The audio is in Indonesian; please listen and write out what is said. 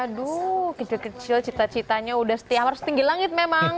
aduh kecil kecil cita citanya udah setiap hari setinggi langit memang